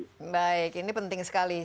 itu sendiri baik ini penting sekali